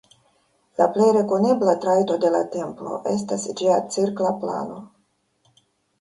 La plej rekonebla trajto de la templo estas ĝia cirkla plano.